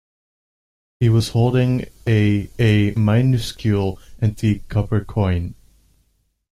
He was holding a a minuscule antique copper coin.